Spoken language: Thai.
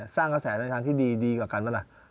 สร้างกระแสในทางที่ดีดีกว่ากันไหมล่ะ